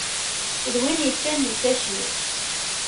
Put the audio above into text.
D win yeččan lkacir.